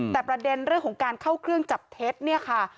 แต่ประเด็นเรื่องของการเข้าเครื่องจับเท็จเนี่ยค่ะ